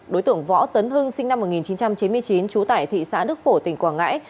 đối tượng võ tấn hưng sinh năm một nghìn chín trăm chín mươi chín trú tại thị xã đức phổ tỉnh quảng ngãi